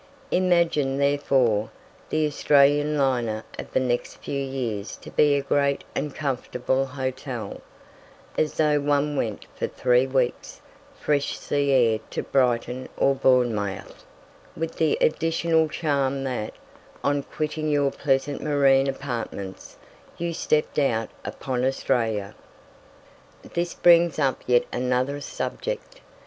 Imagine, therefore, the Australian liner of the next few years to be a great and comfortable hotel, as though one went for three weeks' fresh sea air to Brighton or Bournemouth, with the additional charm that, on quitting your pleasant marine apartments, you stepped out upon Australia. This brings up yet another subject.